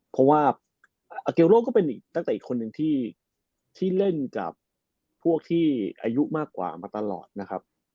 เพราะว่าอาเกลโรก็เป็นอีกนักเตะอีกคนนึงที่เล่นกับพวกที่อายุมากกว่ามาตลอดนะครับ